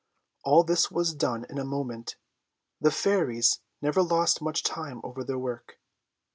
All this was done in a moment; the fairies never lost much time over their work.